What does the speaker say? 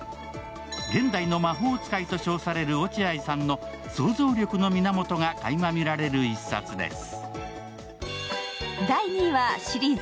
現代の魔法使いと称される落ち合いさんの創造力の源がかいま見える一冊です。